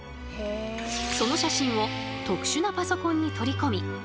その写真を特殊なパソコンに取り込み